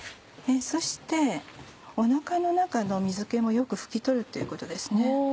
そしてお腹の中の水気もよく拭き取るということです。